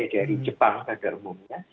dari jepang pada umumnya